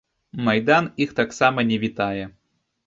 Майдан іх таксама не вітае.